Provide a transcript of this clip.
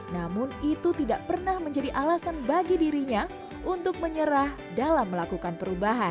namun itu tidak pernah menjadi alasan bagi dirinya untuk menyerah dalam melakukan perubahan